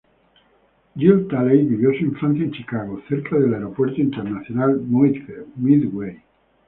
Jill Talley vivió su infancia en Chicago, cerca del Aeropuerto Internacional Midway.